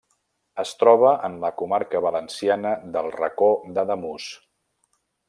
Es troba en la comarca valenciana del Racó d'Ademús.